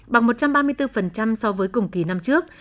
bằng một trăm ba mươi bốn so với cùng kỳ năm trước